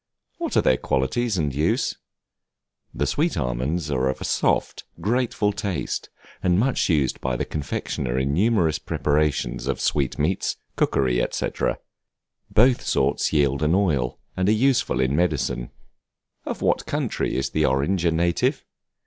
What are their qualities and use? The sweet almonds are of a soft, grateful taste, and much used by the confectioner in numerous preparations of sweet meats, cookery, &c. Both sorts yield an oil, and are useful in medicine. Of what country is the Orange a native?